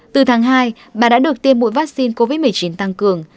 từ tháng hai bà đã được tiêm mũi vaccine covid một mươi chín tăng cường